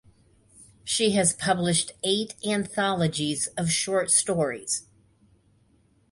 She has published eight anthologies of short stories.